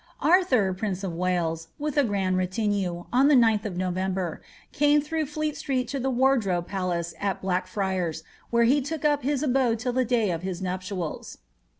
A/thor, prince of Wales* with a grand retinue, on the 9th of Noi eer, came through Fleet Street to the Wardrobe Palace at Blackfi where he took up his abode till the day of his nuptials.